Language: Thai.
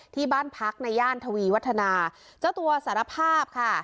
ที่บ้านพักในย่านทวีวัฒนาเจ้าตัวสารภาพค่ะ